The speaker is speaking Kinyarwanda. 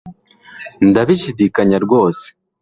Ndabishidikanya rwose